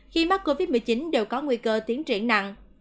khi mắc covid một mươi chín đều có nguy cơ tiến triển nặng